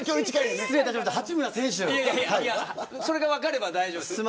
それが分かれば大丈夫。